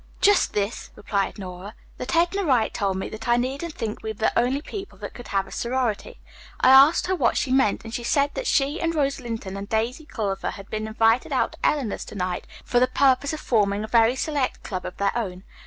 "Just this," replied Nora. "That Edna Wright told me, that I needn't think we were the only people that could have a sorority. I asked her what she meant, and she said that she and Rose Lynton and Daisy Culver had been invited out to Eleanor's to night for the purpose of forming a very select club of their own.